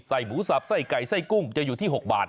หมูสับไส้ไก่ไส้กุ้งจะอยู่ที่๖บาท